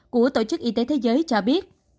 của tổ chức y tế thế giới cho biết